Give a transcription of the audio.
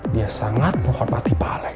dia sangat menghormati pak alek